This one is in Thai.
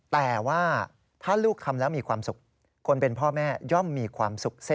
แต่ว่าถ้าลูกทำแล้วก็มีความสุข